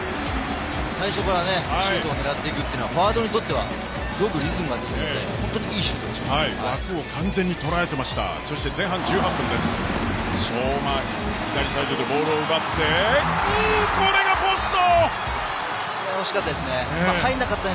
最初からシュートを放っていくというのはフォワードにとってはすごくリズムができるので本当にいいシュートでした。